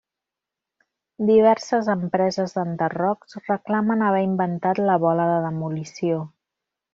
Diverses empreses d'enderrocs reclamen haver inventat la bola de demolició.